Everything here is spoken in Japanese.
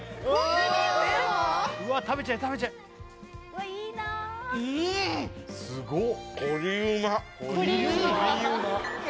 ・うわっ食べちゃえ食べちゃえうーんっ・